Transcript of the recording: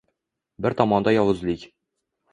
Bir tomonda yovuzlik